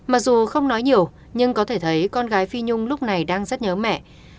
mặc dù không nói nhiều nhưng có thể thấy con gái phi nhung lúc này đang rất nhớ mẹ